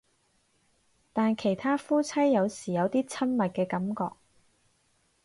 但其他夫妻有時有啲親密嘅感覺